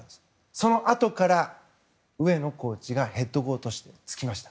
そのあとから上野コーチがヘッドコーチとしてつきました。